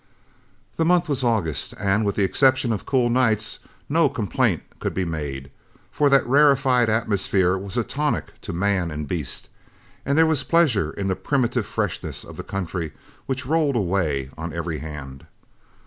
The month was August, and, with the exception of cool nights, no complaint could be made, for that rarefied atmosphere was a tonic to man and beast, and there was pleasure in the primitive freshness of the country which rolled away on every hand.